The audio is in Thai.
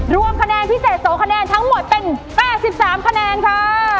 รวมคะแนนพิเศษ๒คะแนนทั้งหมดเป็น๘๓คะแนนค่ะ